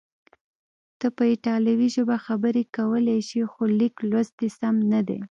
ته په ایټالوي ژبه خبرې کولای شې، خو لیک لوست دې سم نه دی.